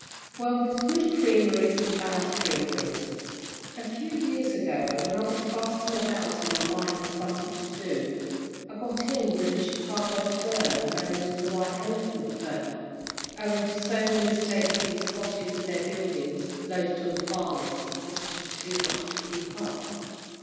"Well, there's good creameries and bad creameries. A few years ago, when I was casting about in my mind for something to do, I got in with a Chicago firm known as the White Elephant firm owing to so many States being spotted with their buildings, loaded on the farmers, and costing too much to keep up.